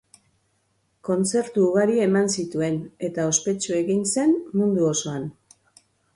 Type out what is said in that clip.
Kontzertu ugari eman zituen, eta ospetsu egin zen mundu osoan.